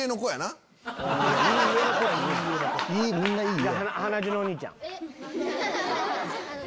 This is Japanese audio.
みんないい家や。